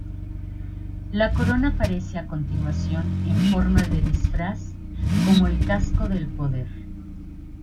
La corona aparece a continuación en forma de disfraz como el "Casco del poder".